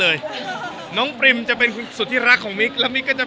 เพราะว่ายังไงเป็นความมีปัญหาต่อมาแล้วเหมือนกันนะคะ